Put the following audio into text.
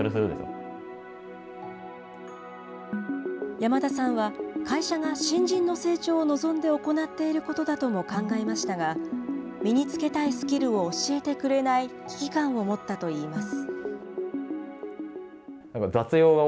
山田さんは、会社が新人の成長を望んで行っていることだとも考えましたが、身につけたいスキルを教えてくれない危機感を持ったといいます。